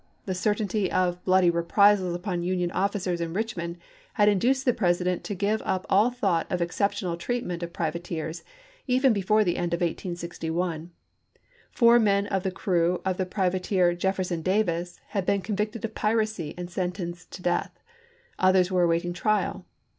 The certainty of bloody reprisals upon Union officers in Richmond had induced the President to give up all thought of exceptional treatment of priva teers, even before the end of 1861. Four men of the crew of the privateer Jefferson Davis had been convicted of piracy and sentenced to death ; others were awaiting trial.